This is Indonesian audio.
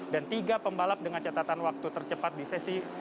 dan tiga pembalap dengan catatan waktu tercepat di sesi kualifikasi